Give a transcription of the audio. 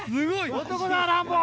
男だランボー！